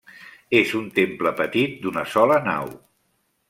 És un temple petit, d'una sola nau.